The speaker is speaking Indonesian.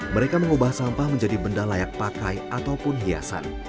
mereka mengubah sampah menjadi benda layak pakai ataupun hiasan